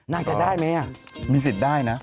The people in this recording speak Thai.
น่าจะได้มั้ยมีสิทธิ์ได้นะ